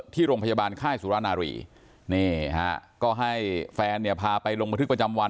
ที่โรงพยาบาลค่ายสุรนารีนี่ฮะก็ให้แฟนเนี่ยพาไปลงบันทึกประจำวัน